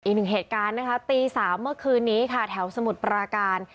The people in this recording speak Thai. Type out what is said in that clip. อีกหนึ่งเหตุการณ์นะคะตี๓เมื่อคืนนี้ค่ะแถวสมุทรปราการ